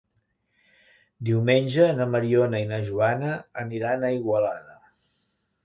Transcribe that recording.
Diumenge na Mariona i na Joana aniran a Igualada.